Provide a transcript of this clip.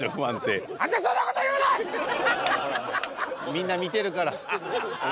みんな見てるから。